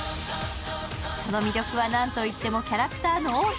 その魅力は、なんといってもキャラクターの多さ。